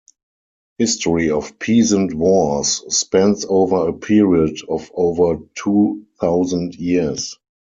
History of peasant wars spans over a period of over two thousand years.